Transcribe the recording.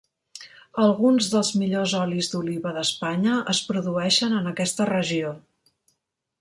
Alguns dels millors olis d'oliva d'Espanya es produeixen en aquesta regió.